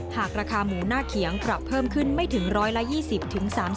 หากราคาหมูหน้าเขียงปรับเพิ่มขึ้นไม่ถึง๑๒๐๓๐